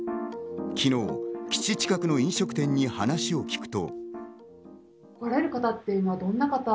昨日、基地近くの飲食店に話を聞くと。